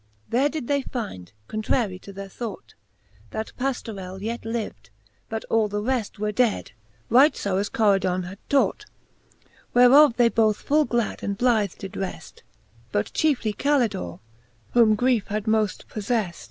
There did they find, contrarie to their thought, That Pajiorell yet liv'd ; but all the reft Were dead, right fo as Coridon had taught : Whereof they both full glad and blyth did reft, But chiefly Calidore^ whom griefe had moft pofTeft, C c c 2 XLII.